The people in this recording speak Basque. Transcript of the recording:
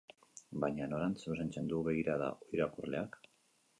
Baina norantz zuzentzen du begirada irakurleak?